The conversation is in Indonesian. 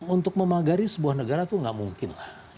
untuk memagari sebuah negara itu tidak mungkin